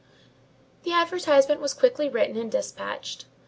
The advertisement was quickly written and despatched.